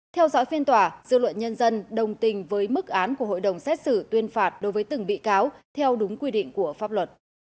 theo dõi phiên tòa dư luận nhân dân đồng tình với mức án của hội đồng xét xử tuyên phạt đối với từng bị cáo theo đúng quy định của pháp luật